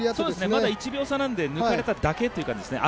まだ１秒差なので抜かれただけという感じですね。